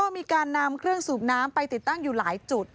มีการนำเครื่องสูบน้ำไปติดตั้งอยู่หลายจุด